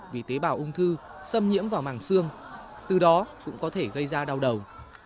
vì tế bào ung thư xâm nhiễm vào màng xương từ đó cũng có thể gây ra đau đầu